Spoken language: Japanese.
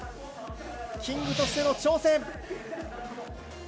キングとしての挑戦。